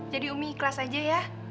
jadi umi ikhlas aja ya